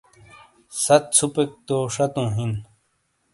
ست ژھوپیک تو شاتو ہِین۔